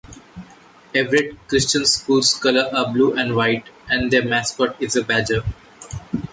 Everett Christian School's colors are blue and white, and their mascot is a Badger.